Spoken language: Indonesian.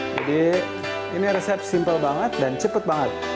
jadi ini resep simple banget dan cepet banget